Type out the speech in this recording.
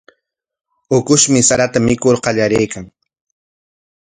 Ukushmi sarata mikur qallariykan.